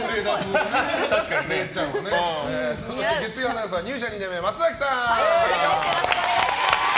そして月曜アナウンサー入社２年目、松崎さん！